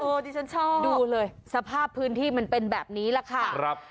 ที่ฉันชอบดูเลยสภาพพื้นที่มันเป็นแบบนี้แหละค่ะ